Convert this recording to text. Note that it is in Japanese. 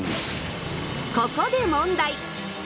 ここで問題！